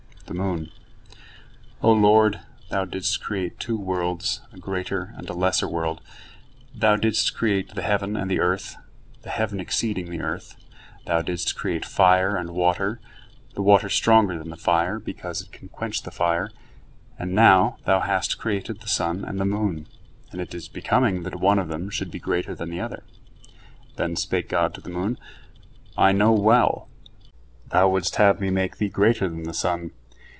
The moon: "O Lord, Thou didst create two worlds, a greater and a lesser world; Thou didst create the heaven and the earth, the heaven exceeding the earth; Thou didst create fire and water, the water stronger than the fire, because it can quench the fire; and now Thou hast created the sun and the moon, and it is becoming that one of them should be greater than the other." Then spake God to the moon: "I know well, thou wouldst have me make Thee greater than the sun.